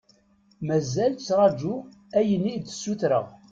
Mazal ttraǧuɣ ayen i d-sutreɣ.